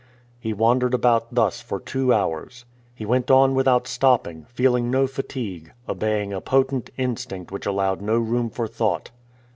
He wandered about thus for two hours. He went on without stopping, feeling no fatigue, obeying a potent instinct which allowed no room for thought.